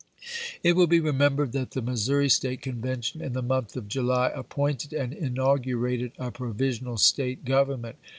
It will be remembered that the Missouri State Conveution in the month of July appointed and inaugm'ated a provisional State government.